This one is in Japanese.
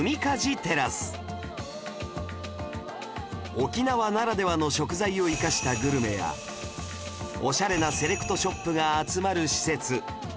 沖縄ならではの食材を生かしたグルメやオシャレなセレクトショップが集まる施設